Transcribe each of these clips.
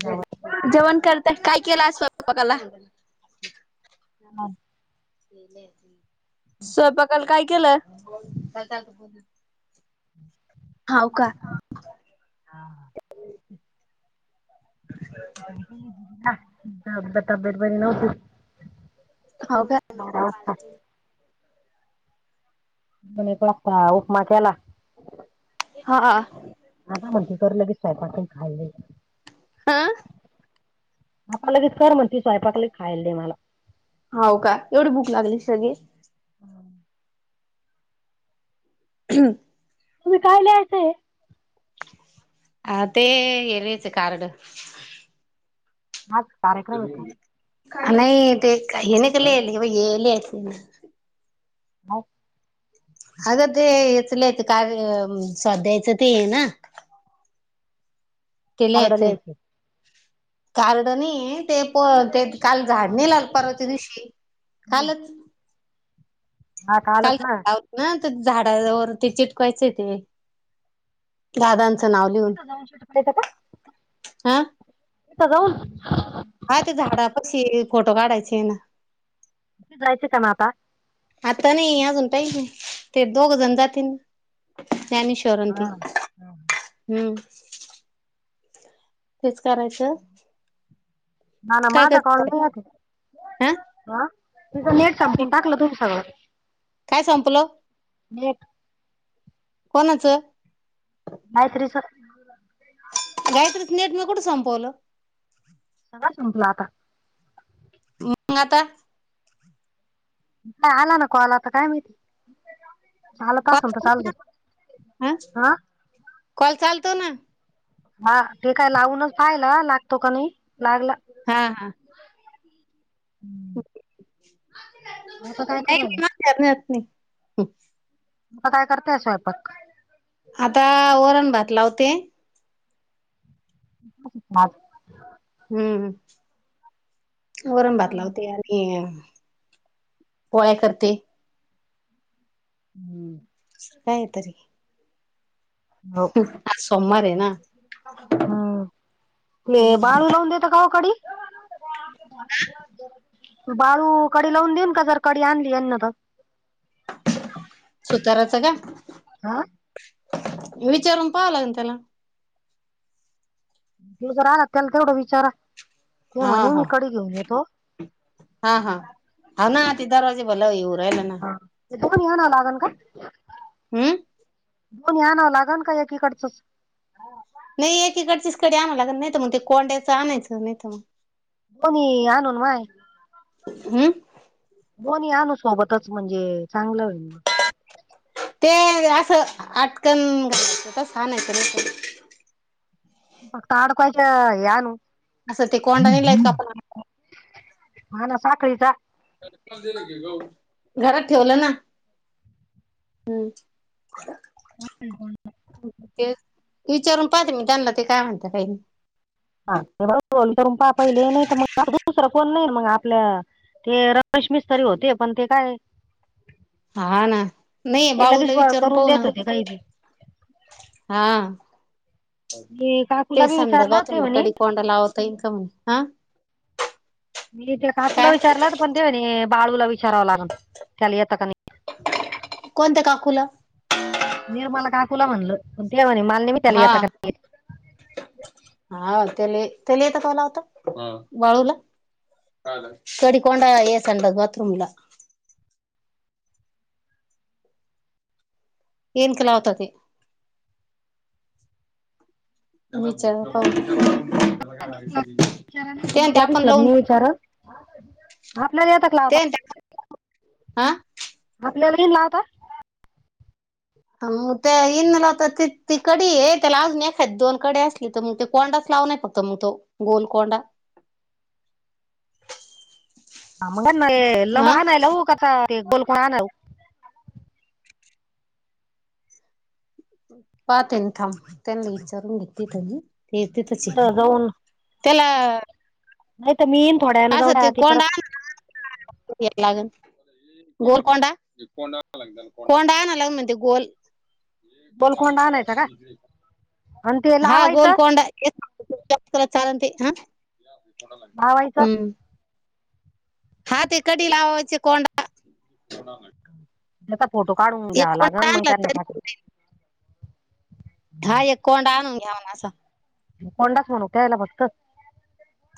जेवण जेवण करत काय केलं स्वयंपाकाला. हा. स्वयंपाकाल काय केलं? हाव का? हा. [unintelligible] तब्यत बरी नव्हती. हाव का? [unintelligible] तुम्ही पण आत्ता उपमा केला. हा. आता म्हणती कर लगेच स्वयंपाक खायला. अ. आता लगेच कर म्हण ती स्वयपाक ली खायला दे मला. हव का? एवढी बुक लागली सगळी. [unintelligible] हम. तुम्ही काय लिहायचंय. हा ते एरियाच कार्ड. अग नाही ते [unintelligible] [unintelligible] अगं तेच लयच कार्य स्वाध्यायचं ते ना. कार्ड केलयते लिहायचे कार्ड नाहीये. ते प ते काल झाड नाही लावल परवाच्या दिवशी कालच हा काल कालच हाव ना झाडा वरती चिटकवायचंय ते. दादांचं नाव लिहून. तथं हा जाऊन? हा ते झाडा पाशी फोटो काढायचे आहेना. तिथं जायचं का म आता? आता नाही अजून टाईम आहे ते दोघ जण जातीन. ज्ञानेश्वर अन ते हम्म. हेच करायचं. ना ना काय माझा कॉल करतय [unintelligible] नाही येत हा. हा नेट संपून टाकलं तुम. काय संपलं? नेट. कोणाचं? गायत्रीच. गात्रीच नेट म्या कुठं संपवलं. सगळ संपल आता. मग आता? हा आला न काॅल आता काय माहिती. चालत कॉल असनत चालू असलं तर चालु ना हा द्या. कॉल चालतो ना. हा काय लावूनच पाहिला लागतो का नाही लागला. हा, हा. हो की. म आता काय करु राहिले, नाही नाही आता काय करतेय स्वयंपाक? आता आ वरण, भात लावते. [inaudible] हम्म, हम्म वरण, भात लावते आज. हे पोळ्या करते. हम्म [unintelligible] काय तर. हो आज सोमावार हेना. हम्म ते बाळू लावून देतो का हो कडी? मत [unintelligible] तो बाळू कडी लावून देईन का जर कडी आणली यांन तर? सुताराचा का? हा. विचारून पाहावं लागल त्याला. तुम्हीं राना कन करडुन विचारा. ते म्हणे हाव, मी हाव. कडी घेऊन येतो हा, हा, हाव ना ते दरवाजे भला हे हुन राहिलान ते दोघ घेऊन या लागल का? हम्म. दोन्ही आनाव लागेल का एकीकडचंच? नाही एकीकडचीच कडी आणा लागल नाहीत म ते कोंड्याचं आणायचं नाहीत मग. दोन्ही आणून माग? हम्म. दोन्ही आनु सोबतच म्हणजे चांगलं होईल. मग ते असं आटकन घालायच तस आनायच. फक्ता अडकवायच्या हे आनु? असं ते कोंडा नाही लायत का आपण हा ना साखळीचा. घरात ठेवलं ना हम् ते विचारून पाहते मी त्यांना ते काय म्हणत काही हा ते करून पा पाहिले नाही तर मग दुसरा कोण नाही मग आपल्या ते रमेश मिस्तरी होते पण ते काय हा ना नाही ते लगेच बाळूला ब- विचारून करून पाह ना देत होते काही बी हा मी काकूला बी तेसड विचारलं ते गतंड म्हणे कडी कोंड लावता इनका म्ह हा मी ते काकूला काय विचारलं पण तेव बाळूला विचारावं लागल त्याला यता का नाही कोणत्या काकूला निरमाला काकुला म्हणलं पण ते म्हणे नाही मी त्याला हा येतं का हा त्याला त्याला येत काला होता बाळूला चडिकड ये सांड बात्रूमला न कलावतात विचार हो ते ते आपण लावून विचार णा दिहा तक ला ते हा मधल्याला येन ला आवता मग त्या इन लावता ती कडी आहे त्या ला अजून एखात दोन कडी असली तर मग ती कोंडाच लावू नाही फक्त मतम तो गोोलकोंड ह मग ल मग हा आणायला हो काचा गोलकोण आणा पाहते थांब त्यांना विचारून घेतली त्यांी ते येत तचे जाऊन त्याला नाही मीन थोड्यान जवड्या आी परत. लागं गोल कोंडा कों कोंडा नग म्हणजे गोल. बोलकोंड आणायचा का आणि ते हा लावायचं गोलकोड चाल हा लावायचं हम्म नाते कट लावा वच कोडा त्याचा फोटो काढून घ्यावा लागण मग आणला त्यांना पा तरी हा एक कोंडा आणून घ्याऊन असं कोंडाच म्हणू त्या्यायला बटत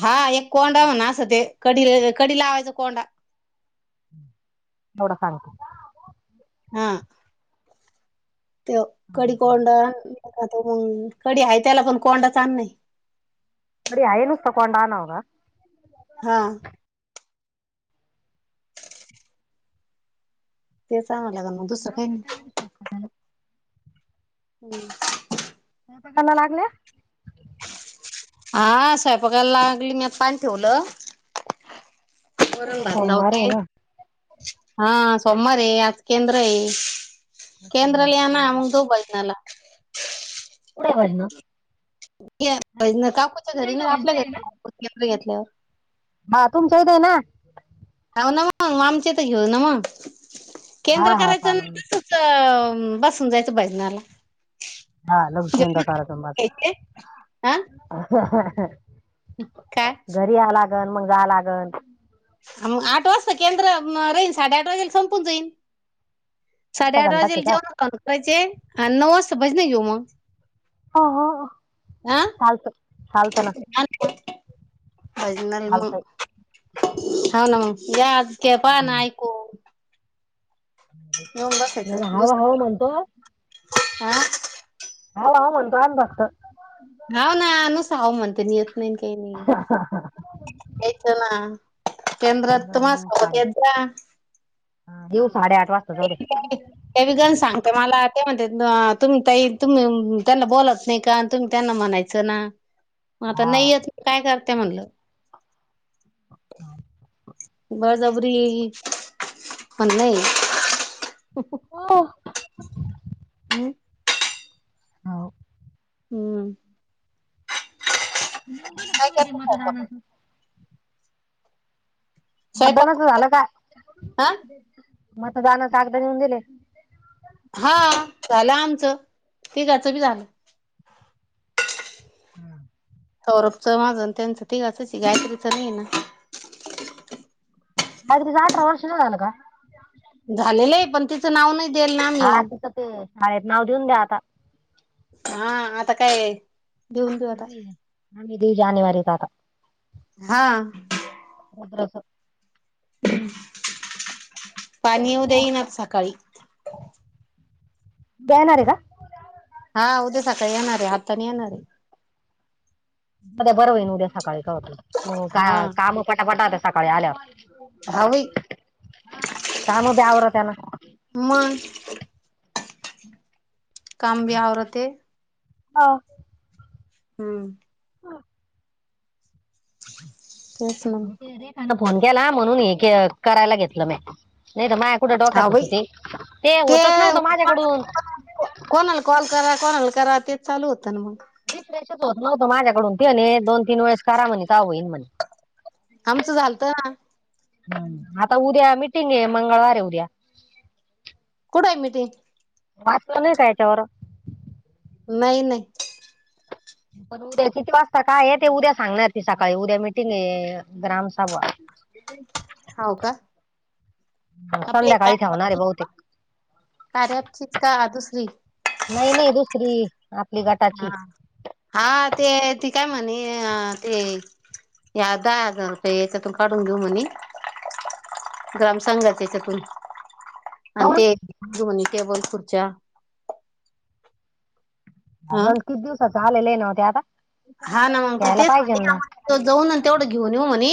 हा एक कोंडा म्ह ना असं ते की कढी लावायचा कोंडा एवडा खानख हा ते कडीी कोंड कढी आहे त्याला पण कोंडचचा नाही बरी ऐनस तको आणनव हा ते चांग लाग लला खायला विला हम्म का पकना लागल्या हा साहेपाकायला लागली मी आता पाणी ठेवलं कोणाला औरंगभद ला सोमवार आहे होते ना हा सोमवार आहे आज केंद्र आहे. केंद्रल सोमवारचं ना केंद्र आहे. अमग दू बायतनल कठ ना काकूच्या घरी ना आपल्या घरी के्र घेतल्यावर हा तुमच्या इथ ना होव ना मग मा आमचे तर घेऊ ना मग केंद्र हा हा करायचं चालेल ना च.... बसून जायचं बजनाला. हा लघकीी अंतकार तुबा घ्यायचे हा काय [unintelligible] [inaudible] घरी या लागण मग जा लागन. मग आठ वाजता केंद्र म राहीन साडेआठ वाजेला संपून जाईन. अर्धा साडेआठ घंटाच आहे वाजेला का जवन खान करायचे आणि नऊ वाजता भजन घेऊ मग. हो -हो चालत. नाल [unintelligible] भजनाल म चालतंय हा ना म या आज क्या पाळणा आयकू. [inaudible] येऊन नाही, बसायचं हाव दुस हाव म्हणतो [inaudible] आ हाव-हाव म्हणतोय भागत [inaudible] हाव ना नुसता हखव म्हणते नि येत नाही नी काही नाही यायच ना. केंद्रात तु बरं, मास आलं की येत जा ह दिवू साडेआठ वाजता जाऊदे. तेणीजन सांगते मला ते म्हणते तुमी ताई तुम्ही त्यांना बोलत नाही का? तुम्ही त्यांना म्हणायचं ना ह [inaudible] मग आता नाही येत काय करत्या म्हणलं. [inaudible] बळजबरी पण नाही [inaudible] हो [inaudible] हो [inaudible] ह [inaudible] हाव हम्म नेऊन दे न काय तुम्ही जे करते मतार स्वयंपाक? आणचं. [unintelligible] मतदानाच स्वयंपाक झालं का? हा मतदाना कगद घेऊन गेले. हा झालं आमचं तीघाचं बी झालं. हम्म.. सौरभचं माज न त्यांचं तिघांचचये गायत्रीचं नाही ना? गायत्रीच अठरा वर्ष नाय आल का? झालेलं आहे पण तिचं नाव नाही देल ना मी. हा तिचं शाळेत नाव देऊन द्या आता. हा आता काय ए आम्ही -आम्ही देवू जानेवारीत आता हा ऋद्रच. [inaudible] पानी उद्या येईनच सकाळी उद्या येणार ए का? हा उद्या सकाळी येणारे आता नाही येणार आहे. उद्या बरं होईन उद्या सकाळी कवातर मग हा का- काम पटापटा होत सकाळी आल्यावर. हा वही काम बी आवरत्या ना. म [inaudible] काम बी आवरते. हा हम्म [inaudible] तेच मग ते रेखान फोन केला म्हणून हे करायला घेतलं म्या. नाही तर माझ कुठं हा डोक्यात होत बाई ते, ते होतच नव्हतं माझ्याकडून. को-कोणाला कॉल करा, कोणाला करा तेच चालू होतं ना मग. रिफ्रेशच होत नव्हतं माझ्याकडून तेने आणि दोन तीन वेळेस करा म्हणे का होईन म्हणे. आमचं झालत ह आता उद्या मिटिंग आहे मंगळवार आहे उद्या. कुठं आहे मीटिंग? वाचलं नाही काय याच्यावर? नाही नाही पण उद्या किती वाजता काय आहे ते उद्या सांगणार ती सकाळी उद्या मिटिंग आहे ग्रामसभा हो का? आपले संध्याकाळी ठेवणार आहे कार्याबती बहुतेक कार्या अँप चीच का दुसरी? नाही नाही दुसरी. आपली गट हा हा ते ती काय म्हणे अ ते या दहा हजार रुपये याच्यातून काढून घेऊ म्हणे ग्राम संघाचेच्यातून आणि ते दोनी टेबल खूर्चा. हा अगं किती दिवसात आलेलं आहे नव्ह ते आता. हा ना मग ते घ्यायला तेच पाहिजे ना सांग जाऊन तेवढं घेऊन येऊ म्हणे.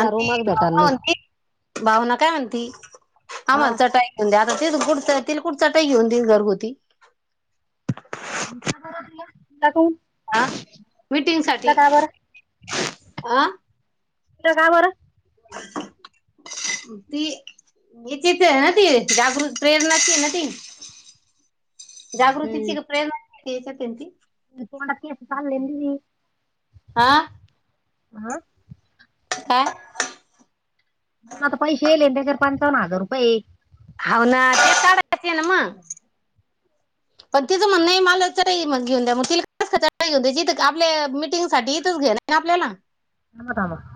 आणि ती रूमच भेटाल भावना नाही म्हणती भावना काय म्हणती हा आम्हाला चटाई आता ते कुडचा तील कुडचा टई घेऊन त घरगुती कालाा कोून [unintelligible] ह मिटिंग साठी अ का बर. [unintelligible] ते हिचीच हे न ती जागृत प्रेरणाची न. जागृतीची का प्रेरणा ची [unintelligible] डा केस भल लली त [unintelligible] आ हा. काय ता पैसेे येले त्याच्या वर पंचावन् हजार रुपये. हो ना तेच कळायचं हे ना मग. [inaudible] पण तिचं म्हणं नाही मला घेऊन द्या मग तिला कस द्यायच आपल्या म मिटिंग साठी इथच घे ते आपल्याला. [unintelligible]